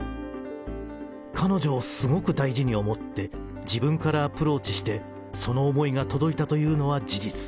彼女をすごく大事に思って、自分からアプローチして、その思いが届いたというのは事実。